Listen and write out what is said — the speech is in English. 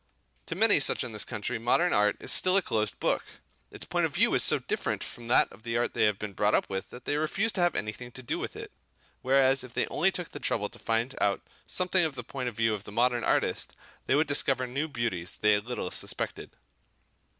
To many such in this country modern art is still a closed book; its point of view is so different from that of the art they have been brought up with, that they refuse to have anything to do with it. Whereas, if they only took the trouble to find out something of the point of view of the modern artist, they would discover new beauties they little suspected.